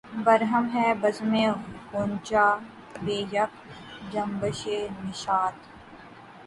برہم ہے بزمِ غنچہ بہ یک جنبشِ نشاط